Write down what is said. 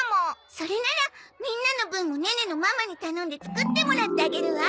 それならみんなの分もネネのママに頼んで作ってもらってあげるわ。